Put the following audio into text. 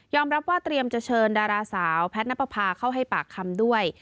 รับว่าเตรียมจะเชิญดาราสาวแพทย์นับประพาเข้าให้ปากคำด้วย